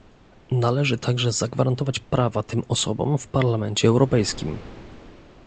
Należy także zagwarantować prawa tym osobom w Parlamencie Europejskim